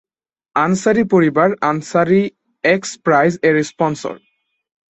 আনসারি পরিবার Ansari X prize এর sponsor.